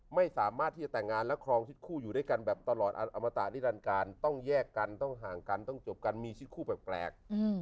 ไม่สามารถที่จะแต่งงานและครองชิดคู่อยู่ด้วยกันแบบตลอดอมตะนิรันการต้องแยกกันต้องห่างกันต้องจบกันมีชิดคู่แปลก